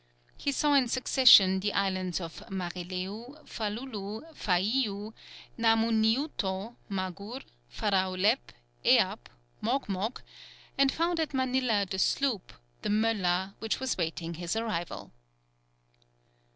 He saw in succession the islands of Marileu, Falulu, Faïu, Namuniuto, Magur, Faraulep, Eap, Mogmog, and found at Manilla the sloop, the Möller which was waiting his arrival.